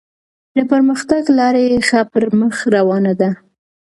د پرمختګ لاره یې ښه پر مخ روانه ده.